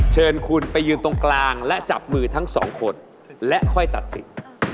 เชิญคุณไปยืนตรงกลางและจับมือทั้งสองคนและค่อยตัดสิทธิ์